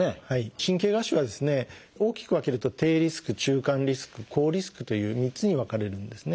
神経芽腫はですね大きく分けると「低リスク」「中間リスク」「高リスク」という３つに分かれるんですね。